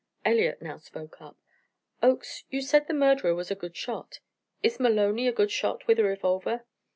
Elliott now spoke up: "Oakes, you said the murderer was a good shot. Is Maloney a good shot with a revolver?"